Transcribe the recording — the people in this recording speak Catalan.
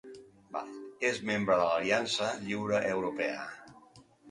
És membre de l'Aliança Lliure Europea.